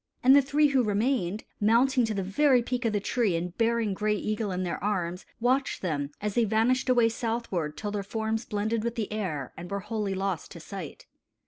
And the three who remained, mounting to the very peak of the tree and bearing Gray Eagle in their arms, watched them, as they vanished away southward, till their forms blended with the air and were wholly lost to sight.